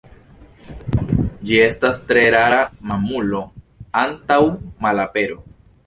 Ĝi estas tre rara mamulo, antaŭ malapero.